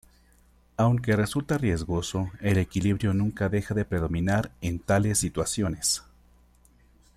Aunque resulta riesgoso, el equilibrio nunca deja de predominar en tales situaciones.